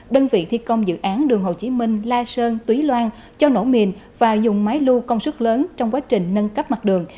đơn vị thi công dự án đường hồ chí minh la sơn túy loan cho nổ mìn và dùng máy lưu công suất lớn trong quá trình nâng cấp mặt đường